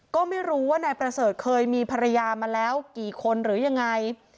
ก็ไม่รู้ว่านายประเสริฐเคยมีภรรยามาแล้วกี่คนหรือยังไง